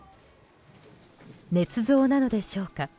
ねつ造なのでしょうか。